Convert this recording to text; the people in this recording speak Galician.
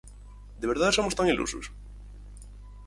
De verdade somos tan ilusos?